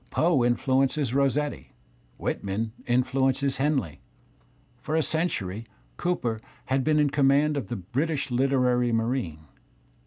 Poe influ /' enced Rossetti; Whitman influenced Henley. For a century I Cooper has been in command of the British literaiy marine.